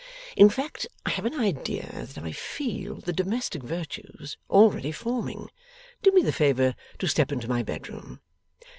In fact, I have an idea that I feel the domestic virtues already forming. Do me the favour to step into my bedroom.